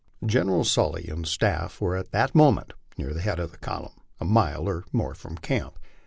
General Sully and staff were at that moment near the head of the column, a mile or more from camp.